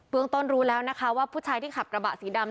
ต้นรู้แล้วนะคะว่าผู้ชายที่ขับกระบะสีดำ